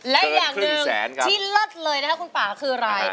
และอย่างหนึ่งที่เลิศเลยนะคะคุณป่าคืออะไร